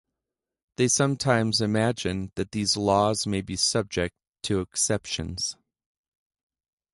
They sometimes imagine that these laws may be subject to exceptions.